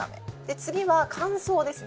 次は乾燥ですね。